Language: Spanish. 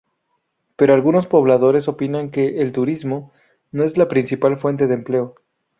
Pero algunos pobladores opinan que el "turismo... no es la principal fuente de empleo.